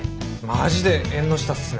マジで縁の下っすね。